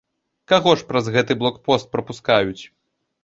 Каго ж праз гэты блок-пост прапускаюць?